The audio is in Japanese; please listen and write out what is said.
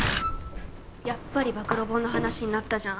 やっぱり暴露本の話になったじゃん